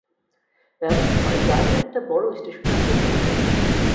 এমন সময় গাড়ি একটা বড়ো স্টেশনে আসিয়া থামিল।